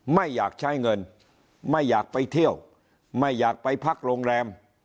ไม่อยากใช้เงินไม่อยากไปเที่ยวไม่อยากไปพักโรงแรม